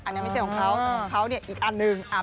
อันนี้ไม่ใช่ของเขาของเขาเนี่ยอีกอันหนึ่ง